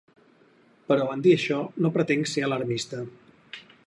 Però en dir això no pretenc ser alarmista.